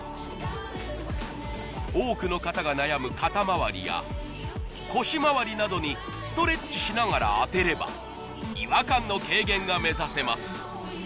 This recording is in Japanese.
多くの方が悩む肩まわりや腰まわりなどにストレッチしながら当てれば違和感の軽減が目指せます